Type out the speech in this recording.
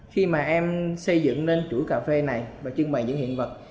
khi mà em xây dựng nên chuỗi cà phê này và trưng bày những hiện vật